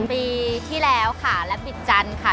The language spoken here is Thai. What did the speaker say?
ปีที่แล้วค่ะและบิดจันทร์ค่ะ